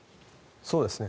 そうですね。